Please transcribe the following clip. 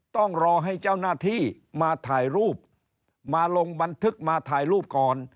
ต้องรอให้เจ้าหน้าที่มาถ่ายรูปมาลงบันทึกมาถ่ายรูปก่อน